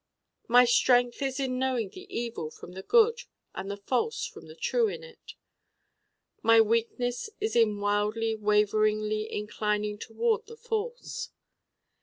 My strength is in knowing the evil from the good and the false from the true in it. My weakness is in wildly waveringly inclining toward the false.